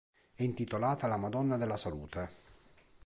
È intitolata alla Madonna della Salute.